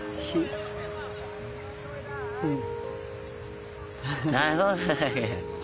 うん。